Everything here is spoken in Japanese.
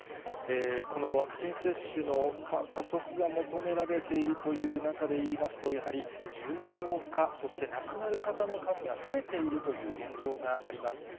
このワクチン接種の加速が求められているという中でいいますと、やはり重症化、そして亡くなる方の数が増えているという現状があります。